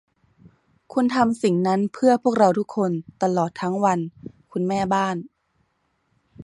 คุณทำสิ่งนั้นเพื่อพวกเราทุกคนตลอดทั้งวัน คุณแม่บ้าน